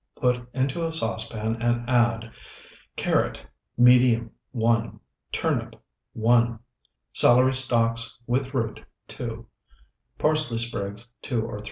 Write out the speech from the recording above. Put into a saucepan and add Carrot, medium, 1. Turnip, 1. Celery stalks, with root, 2. Parsley sprigs, 2 or 3.